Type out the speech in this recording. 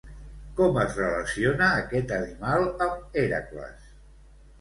Com es relaciona aquest animal amb Hèracles?